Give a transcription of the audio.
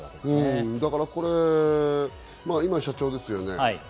だから、これ今、社長ですよね。